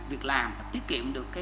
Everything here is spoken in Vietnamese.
việc làm tiết kiệm được